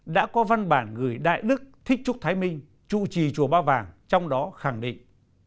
đã có văn bản gửi đại đức thích trúc thái minh chủ trì chùa ba vàng trong đó khẳng định